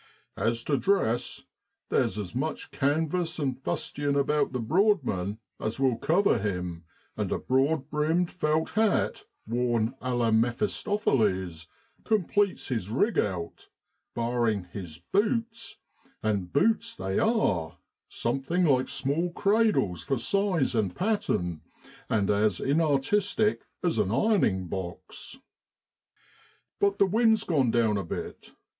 6 As to dress, there's as much canvas and fustian about the Broadman as will cover him, and a broad brimmed felt hat, worn a la Mephistopheles, completes his rig out, barring his ' butes,' and boots they are, something like small cradles for size and pattern, and as inartistic as an ironing box. ' But the wind's gone down a bit.